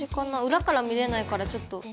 裏から見れないからちょっと。